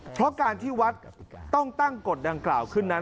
เพราะการที่วัดต้องตั้งกฎดังกล่าวขึ้นนั้น